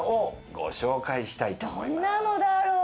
どんなのだろう？